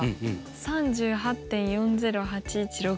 「３８．４０８１６」！